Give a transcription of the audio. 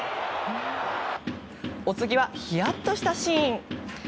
お次は、ヒヤッとしたシーン。